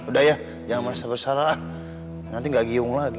udah ya jangan merasa bersalah ah nanti gak giung lagi